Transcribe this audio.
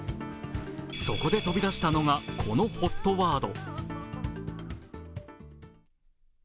そこで飛び出したのがこのＨＯＴワード。